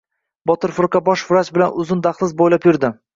Botir firqa bosh vrach bilan uzun dahliz bo‘ylab yurdi.